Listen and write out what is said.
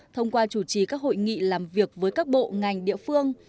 thông qua chủ trì các hội nghị làm việc với các bộ ngành địa phương